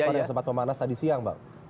pernah sempat memanas tadi siang